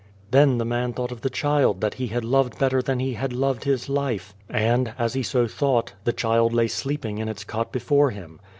Then the man thought of the child that he had loved better than he had loved his life, and, as he so thought, the child lay sleeping in its cot before him.